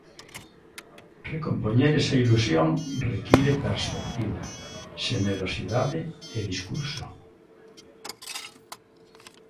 Recompoñer esa ilusión require perspectiva, xenerosidade e discurso.